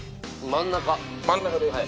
真ん中で。